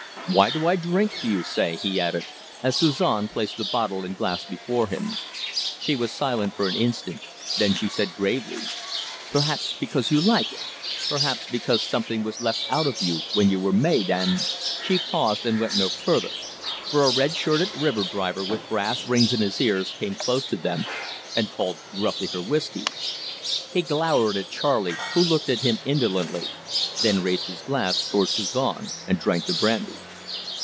"Why do I drink, do you say?" he added, as Suzon placed the bottle and glass before him. She was silent for an instant, then she said gravely: "Perhaps because you like it; perhaps because something was left out of you when you were made, and " She paused and went no further, for a red shirted river driver with brass rings in his ears came close to them, and called gruffly for whiskey. He glowered at Charley, who looked at him indolently, then raised his glass towards Suzon and drank the brandy.